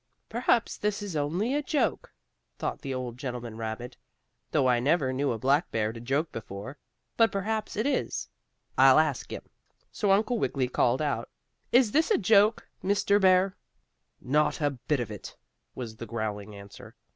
"Perhaps this is only a joke," thought the old gentleman rabbit, "though I never knew a black bear to joke before. But perhaps it is. I'll ask him." So Uncle Wiggily called out: "Is this a joke, Mr. Bear?" "Not a bit of it!" was the growling answer.